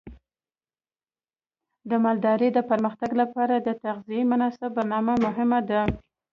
د مالدارۍ د پرمختګ لپاره د تغذیې مناسب برنامه مهمه ده.